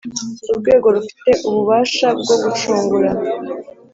Urwego rufite ububasha bwo gucungura